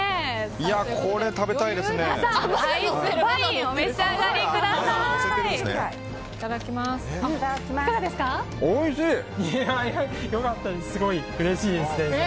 これ、食べたいですね。